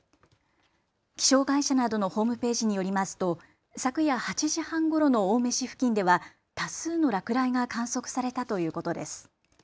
気象会社などのホームページによりますと昨夜８時半ごろの青梅市付近では多数の落雷が観測されたということです。